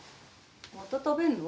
また食べんの？